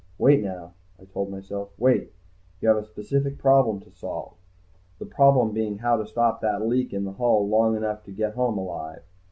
Wait, now, I told myself. Wait. You have a specific problem to solve. The problem being how to stop that leak in the hull long enough to get home alive.